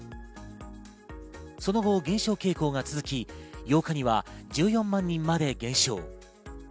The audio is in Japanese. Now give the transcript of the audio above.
その後、減少傾向が続き、８日には１４万人まで減少。